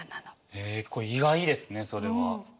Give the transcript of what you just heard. へえ結構意外ですねそれは。